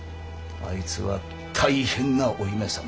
あいつは大変なお姫さんばい。